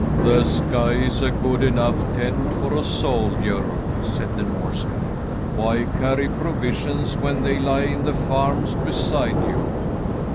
"The sky is a good enough tent for a soldier," said the Norsemen. "Why carry provisions when they lie in the farms beside you?"